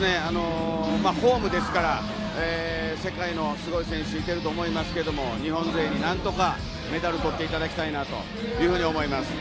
ホームですから、世界のすごい選手、いてると思いますけども日本勢になんとか、メダルを取っていただきたいなというふうに思います。